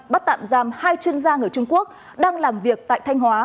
bắt tạm giam hai chuyên gia người trung quốc đang làm việc tại thanh hóa